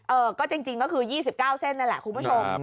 เออก็จริงก็คือ๒๙เส้นนั่นแหละคุณผู้ชม